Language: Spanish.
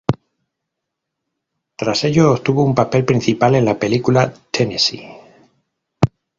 Tras ello obtuvo un papel principal en la película "Tennessee".